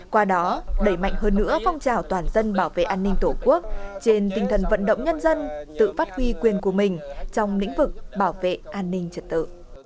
qua đó đẩy mạnh hơn nữa phong trào toàn dân bảo vệ an ninh tổ quốc trên tinh thần vận động nhân dân tự phát huy quyền của mình trong lĩnh vực bảo vệ an ninh trật tự